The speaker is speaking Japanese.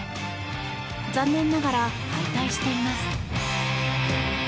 残念ながら敗退しています。